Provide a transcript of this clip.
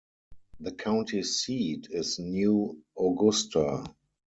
The county seat is New Augusta.